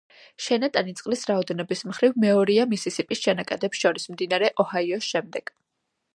შენატანი წყლის რაოდენობის მხრივ, მეორეა მისისიპის შენაკადებს შორის მდინარე ოჰაიოს შემდეგ.